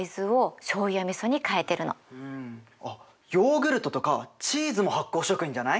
あっヨーグルトとかチーズも発酵食品じゃない？